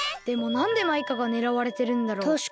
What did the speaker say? でもなんでマイカがねらわれてるんだろう？